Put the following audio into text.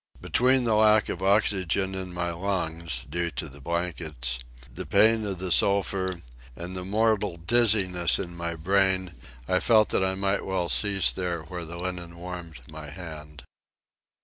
Between the lack of oxygen in my lungs (due to the blankets), the pain of the sulphur, and the mortal dizziness in my brain, I felt that I might well cease there where the linen warmed my hand.